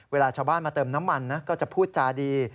เวลาชาวบ้านมาเติมน้ำมันนะก็จะพูดจาดี